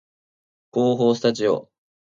構法スタジオ